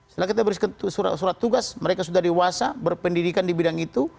setelah kita beri surat tugas mereka sudah dewasa berpendidikan di bidang itu